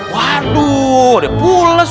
waduh udah pules